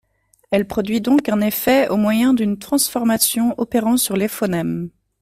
Elle produit donc un effet au moyen d'une transformation opérant sur les phonèmes.